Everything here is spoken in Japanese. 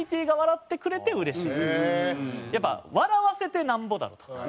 やっぱ笑わせてなんぼだと。